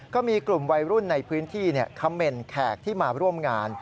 ก็มีกลุ่มวัยรุ่นในพื้นที่คำเมนต์แขกที่มาร่วมงาน